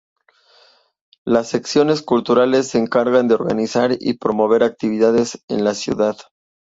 Las secciones culturales se encargan de organizar y promover actividades en la ciudad.